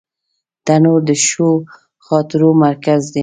تنور د ښو خاطرو مرکز دی